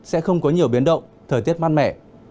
sẽ không có nhiều biến động thời tiết mát mẻ